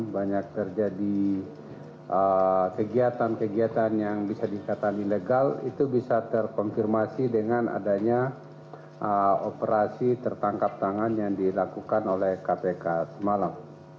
banyak terjadi kegiatan kegiatan yang bisa dikatakan ilegal itu bisa terkonfirmasi dengan adanya operasi tertangkap tangan yang dilakukan oleh kpk semalam